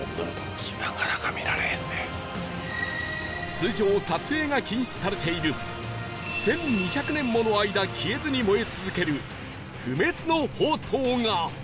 通常撮影が禁止されている１２００年もの間消えずに燃え続ける不滅の法灯が